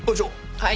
はい。